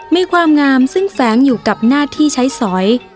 มีความงามซึ่งแฝงอยู่กับหน้าที่ใช้สอย